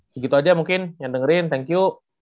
segitu aja mungkin yang dengerin thank you